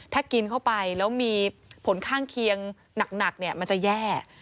ถ้ากินเข้าไปแล้วมีผลข้างเคียงหนักมันจะแย่